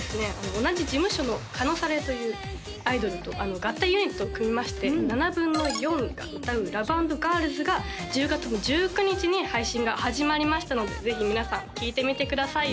同じ事務所のカノサレというアイドルと合体ユニットを組みまして４／７が歌う「ＬＯＶＥ＆ＧＩＲＬＳ」が１０月の１９日に配信が始まりましたのでぜひ皆さん聴いてみてください